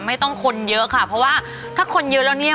คนเยอะค่ะเพราะว่าถ้าคนเยอะแล้วเนี่ย